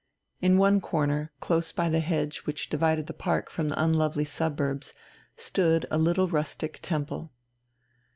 In one corner, close by the hedge which divided the park from the unlovely suburbs, stood a little rustic temple.